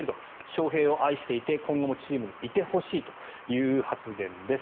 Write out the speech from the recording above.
翔平を愛していて今後もチームにいてほしいという発言です。